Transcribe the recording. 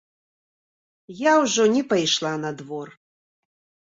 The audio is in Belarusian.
Я ўжо не пайшла на двор.